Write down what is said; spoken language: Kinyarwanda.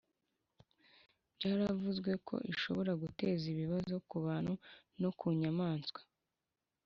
Byaravuzwe ko ishobora guteza ibibazo kubantu no kunyamanswa